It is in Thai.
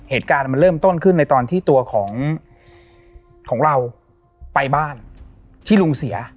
เหตุการณ์มันเริ่มต้นขึ้นในตอนที่ตัวของเราไปบ้านที่ลุงเสีย